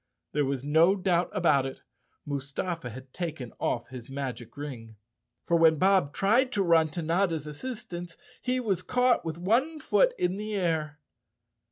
There was no doubt about it, Mustafa had taken off his magic ring. For when Bob tried to run to Notta's assistance he was caught with one foot in the air.